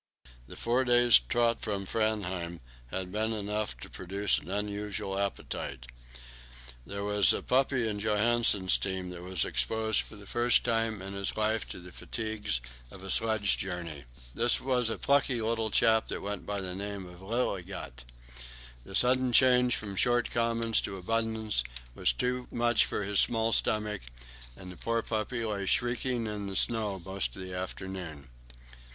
The four days' trot from Framheim had been enough to produce an unusual appetite. There was a puppy in Johansen's team that was exposed for the first time in his life to the fatigues of a sledge journey. This was a plucky little chap that went by the name of Lillegut. The sudden change from short commons to abundance was too much for his small stomach, and the poor puppy lay shrieking in the snow most of the afternoon.